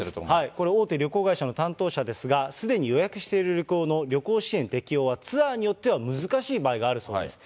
これ、大手旅行会社の担当者ですが、すでに予約している旅行の旅行支援適用はツアーによっては難しい場合があるそうです。